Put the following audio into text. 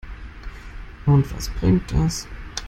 Und was bringt das?